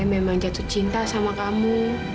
memang jatuh cinta sama kamu